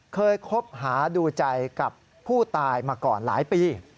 เคยคบหาดูใจกับผู้ตายมาก่อนหลายปี